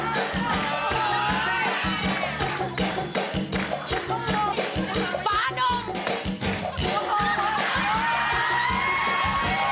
เบ๊กกี้